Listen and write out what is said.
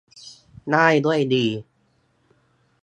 ได้ด้วยดี